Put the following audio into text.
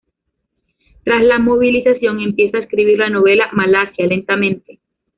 Tras la movilización, empieza a escribir la novela "Malasia", lentamente.